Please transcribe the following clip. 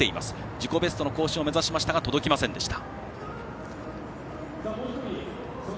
自己ベストの更新を目指しましたが届きませんでした。